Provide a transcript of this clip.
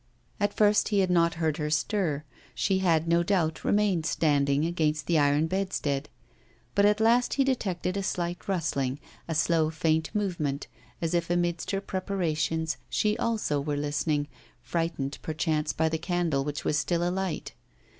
At first he had not heard her stir; she had no doubt remained standing against the iron bedstead. But at last he detected a slight rustling, a slow, faint movement, as if amidst her preparations she also were listening, frightened perchance by the candle which was still alight.